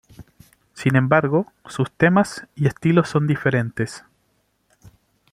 Sin embargo, sus temas y estilos son diferentes.